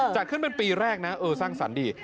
จัดขึ้นเป็นปีแรกนะเออสร้างสรรค์ดี